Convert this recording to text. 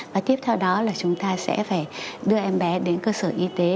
và tiếp theo đó là chúng ta sẽ phải đưa em bé đến cơ sở y tế